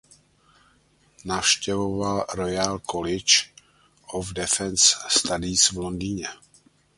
Navštěvoval Royal College of Defence Studies v Londýně.